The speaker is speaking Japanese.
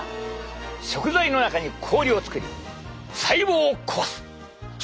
食材の中に氷を作り細胞を壊す！